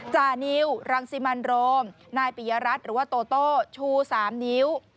จานิวรังสิมันโรมนายปิยรัฐหรือว่าโตโต้ชู๓นิ้ว